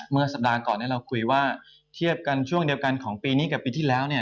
เมื่อสัปดาห์ก่อนเราคุยว่าเทียบกันช่วงเดียวกันของปีนี้กับปีที่แล้ว